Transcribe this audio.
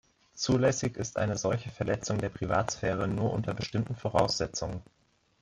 Zulässig ist eine solche Verletzung der Privatsphäre nur unter bestimmten Voraussetzungen.